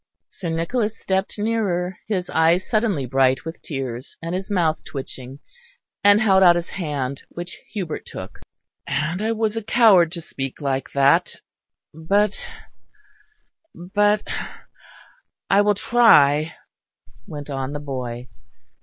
Sir Nicholas stepped nearer, his eyes suddenly bright with tears, and his mouth twitching, and held out his hand, which Hubert took. "And I was a coward to speak like that but, but I will try," went on the boy.